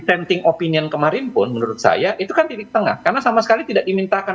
rating opinion kemarin pun menurut saya itu kan titik tengah karena sama sekali tidak dimintakan